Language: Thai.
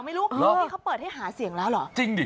ไม่รู้นี่เขาเปิดให้หาเสียงแล้วเหรอจริงดิ